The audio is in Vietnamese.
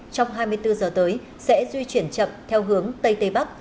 trong hai mươi bốn giờ tới sẽ di chuyển chậm theo hướng tây tây bắc